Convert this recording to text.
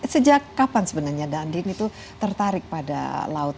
sejak kapan sebenarnya danding itu tertarik pada laut